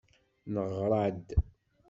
Neɣra-d.